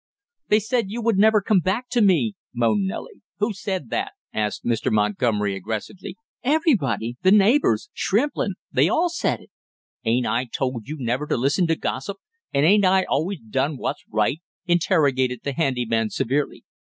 "They said you would never come back to me," moaned Nellie. "Who said that?" asked Mr. Montgomery aggressively. "Everybody the neighbors Shrimplin they all said it!" "Ain't I told you never to listen to gossip, and ain't I always done what's right?" interrogated the handy man severely.